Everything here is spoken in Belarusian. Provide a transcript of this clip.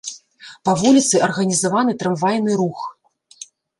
Па вуліцы арганізаваны трамвайны рух.